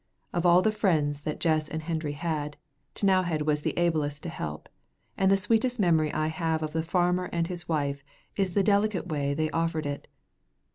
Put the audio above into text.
Of all the friends that Jess and Hendry had, T'nowhead was the ablest to help, and the sweetest memory I have of the farmer and his wife is the delicate way they offered it.